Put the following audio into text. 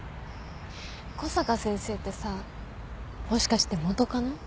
小坂先生ってさもしかして元カノ？